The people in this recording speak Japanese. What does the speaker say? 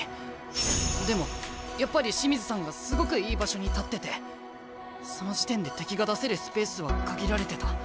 でもやっぱり清水さんがすごくいい場所に立っててその時点で敵が出せるスペースは限られてた。